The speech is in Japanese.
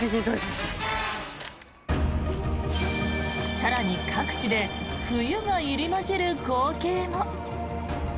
更に各地で冬が入り交じる光景も。